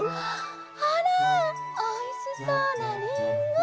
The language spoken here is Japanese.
あらおいしそうなりんご。